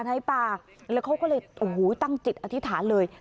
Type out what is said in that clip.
แล้วเขาก็เลยตั้งจิตอธิษฐานเลย